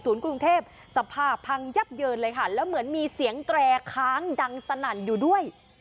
กรุงเทพสภาพพังยับเยินเลยค่ะแล้วเหมือนมีเสียงแตรค้างดังสนั่นอยู่ด้วย